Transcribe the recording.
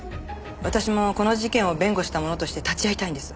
私もこの事件を弁護した者として立ち会いたいんです。